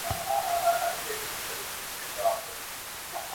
হাতুড়ি-পেরেকের ঠুকঠুক, রঙের প্রলেপ দেওয়া, অলংকরণের কাজ চলছিল বেশ কিছু স্টলে।